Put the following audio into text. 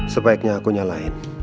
sebaiknya aku nyalahin